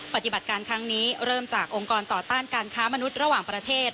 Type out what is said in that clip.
ปฏิบัติการครั้งนี้เริ่มจากองค์กรต่อต้านการค้ามนุษย์ระหว่างประเทศ